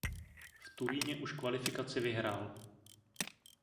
V Turíně už kvalifikaci vyhrál.